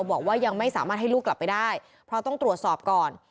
บอกว่ายังไม่สามารถให้ลูกกลับไปได้เพราะต้องตรวจสอบก่อน